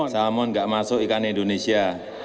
salmon nggak masuk ikan indonesia